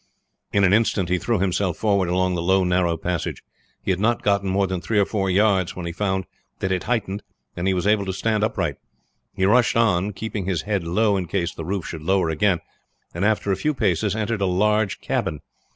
In an instant he threw himself forward along the low narrow passage. He had not gone more than three or four yards when he found that it heightened, and he was able to stand upright. He rushed on, keeping his head low in case the roof should lower again, and after a few paces entered a large cabin.